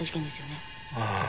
ああ。